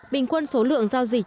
bình quân số lượng giao dịch